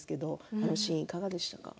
このシーンはいかがでしたか？